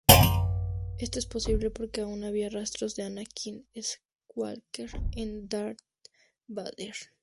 Esto es posible a que aún había rastros de Anakin Skywalker en Darth Vader.